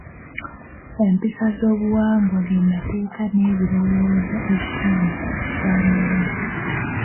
Empisa z'obuwangwa g'emateeka n'ebirowoozo ekitundu kwe kitambulira.